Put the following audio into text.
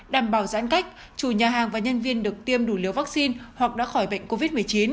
đảm bảo giãn cách chủ nhà hàng và nhân viên được tiêm đủ liều vaccine hoặc đã khỏi bệnh covid một mươi chín